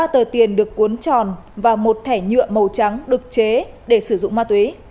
ba tờ tiền được cuốn tròn và một thẻ nhựa màu trắng được chế để sử dụng ma túy